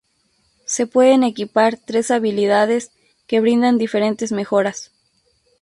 Se pueden equipar tres habilidades, que brindan diferentes mejoras.